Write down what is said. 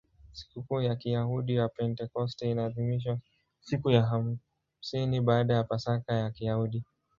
Sikukuu ya Kiyahudi ya Pentekoste inaadhimishwa siku ya hamsini baada ya Pasaka ya Kiyahudi.